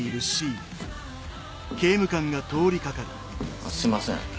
あすいません